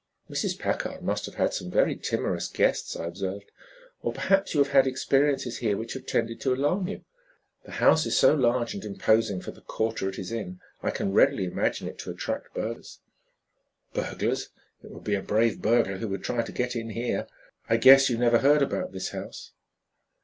"Mrs. Packard must have had some very timorous guests," I observed. "Or, perhaps, you have had experiences here which have tended to alarm you. The house is so large and imposing for the quarter it is in I can readily imagine it to attract burglars." "Burglars! It would be a brave burglar who would try to get in here. I guess you never heard about this house."